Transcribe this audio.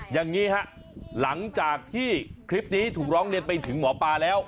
อย่างนี้ฮะหลังจากที่คลิปนี้ถูกร้องเรียนไปถึงหมอปลาแล้ว